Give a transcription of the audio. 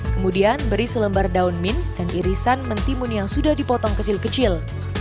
kemudian beri selembar daun min dan irisan mentimun yang sudah dipotong kecil kecil